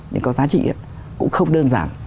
những cái giá trị ấy cũng không đơn giản